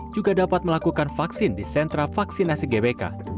juga dapat melakukan vaksin di sentra vaksinasi gbk